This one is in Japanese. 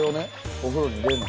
おふろに入れるの。